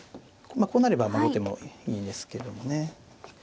まあこうなれば後手もいいんですけどもね。